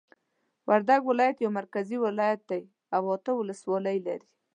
وردګ ولایت یو مرکزی ولایت دی او اته ولسوالۍ لری